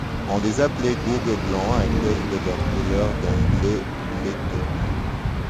On les appelait Gourgs Blancs à cause de leur couleur d'un bleu laiteux.